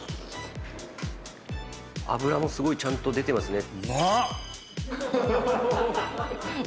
脂もすごいちゃんと出てますね。